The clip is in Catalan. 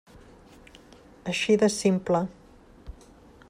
Així de simple.